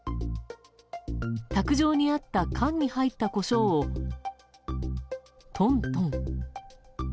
卓上にあった缶に入ったコショウをトントン。